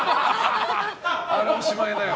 あれはもうおしまいだよ。